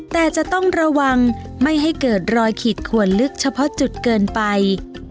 แต่จะต้องระวังไม่ให้เกิดรอยขีดขวนลึกเฉพาะจุดเกินไป